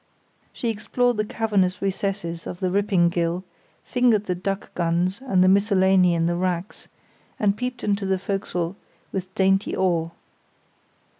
She explored the cavernous recesses of the Rippingille, fingered the duck guns and the miscellany in the racks, and peeped into the fo'c'sle with dainty awe.